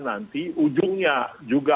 nanti ujungnya juga